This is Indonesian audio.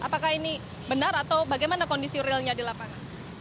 apakah ini benar atau bagaimana kondisi realnya di lapangan